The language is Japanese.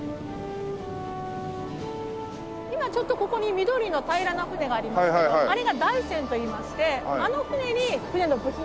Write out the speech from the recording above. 今ちょっとここに緑の平らな船がありますけどあれが台船といいましてあの船に船の部品やパーツを載せて。